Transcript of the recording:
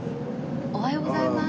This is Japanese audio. おはようございます。